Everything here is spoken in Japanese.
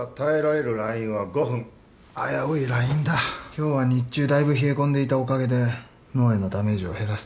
今日は日中だいぶ冷え込んでいたおかげで脳へのダメージを減らせたかも。